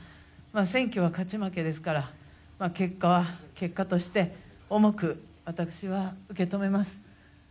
選挙は勝ち負けですから結果は結果として重く私は受け止めます。